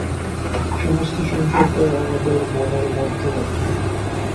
সমস্ত সংসারটাই আমাদের মনের মধ্যে।